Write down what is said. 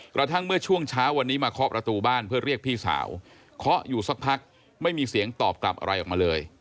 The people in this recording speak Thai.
กระทั่งเมื่อช่วงเช้าวันนี้มาเคาะประตูบ้านเพื่อเรียกพี่สาวเคาะอยู่สักพักไม่มีเสียงตอบกลับอะไรออกมาเลย